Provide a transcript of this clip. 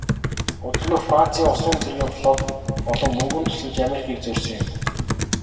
Удалгүй францын усан цэргийн флот болон мөнгөн тусламж америкийг зорьсон юм.